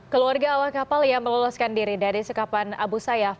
keluarga awak kapal yang meloloskan diri dari sekapan abu sayyaf